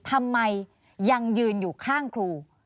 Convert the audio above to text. ทำไมยังยืนอยู่ข้างครู